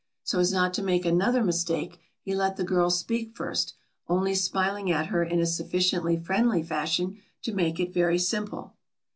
So as not to make another mistake he let the girl speak first, only smiling at her in a sufficiently friendly fashion to make it very simple.